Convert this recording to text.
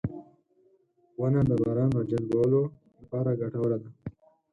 • ونه د باران راجلبولو لپاره ګټوره ده.